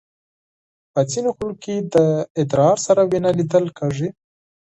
په ځینو خلکو کې د ادرار سره وینه لیدل کېږي.